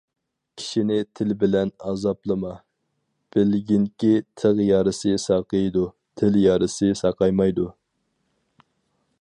كىشىنى تىل بىلەن ئازابلىما، بىلگىنكى، تىغ يارىسى ساقىيىدۇ، تىل يارىسى ساقايمايدۇ.